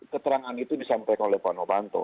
keterangan itu disampaikan oleh pak novanto